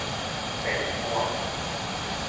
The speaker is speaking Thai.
เป็นพวก